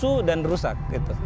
lulus dan rusak